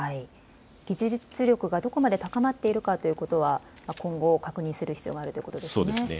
技術力がどこまで高まっているということは今後、確認する必要があるということですね。